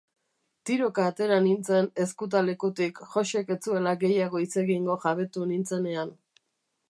Tiroka atera nintzen ezkutalekutik Joxek ez zuela gehiago hitz egingo jabetu nintzenean.